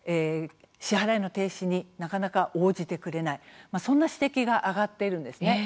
支払いの停止になかなか応じてくれないそんな指摘が上がっているんですね。